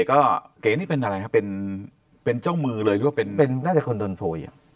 ก็เก๋นี่เป็นอะไรเป็นเป็นเจ้ามือเลยว่าเป็นเป็นคนโดนโทย